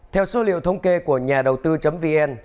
theo số liệu thông kê